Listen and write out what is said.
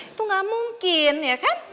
itu nggak mungkin ya kan